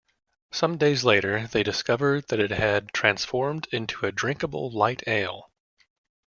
Some days later they discovered that it had transformed into a drinkable light ale.